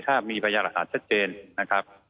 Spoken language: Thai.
ถ้ามีพยายามหลักฐานชัดเจนนะครับ